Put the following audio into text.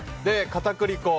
片栗粉を。